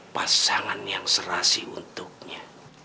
pasangan yang serasi untuknya